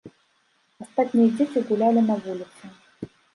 Астатнія дзеці гулялі на вуліцы.